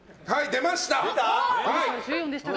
出ました。